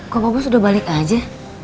kok pak bos udah balik aja